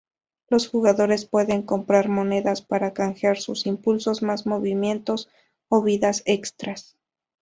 Los jugadores pueden comprar monedas para canjear por impulsos, más movimientos o vidas extras.